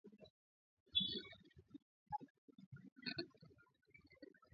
Ziara yake inajiri wiki mbili baada ya shirika la kuteta haki za binadamu kutoa ripoti